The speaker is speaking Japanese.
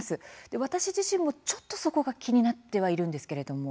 私自身もちょっとそこが気になってはいるんですけれども。